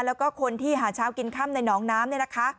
แล้วก็คนที่หาชาวกินค่ำในหนองน้ำ